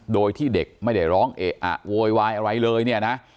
โดยที่เด็กไม่ได้ร้องเอะอะโวยวายอะไรเลยเนี่ยนะ